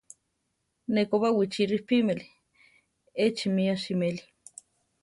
Ne ko Baʼwichí ripímeli; échi mí asiméli.